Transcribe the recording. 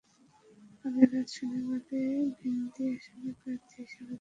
আগের রাত শনিবারে ভিন্দ আসনের প্রার্থী হিসেবে তাঁর নাম ঘোষিত হয়।